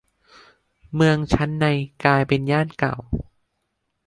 เมืองชั้นในกลายเป็นย่านเก่า